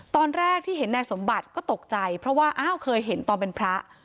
ตอนแรกที่เห็นนายสมบัติก็ตกใจเพราะว่าอ้าวเคยเห็นตอนเป็นพระ